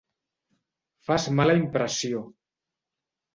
Fas mala impressió.